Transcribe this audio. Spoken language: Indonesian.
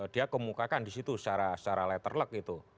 dia kemukakan disitu secara letter luck itu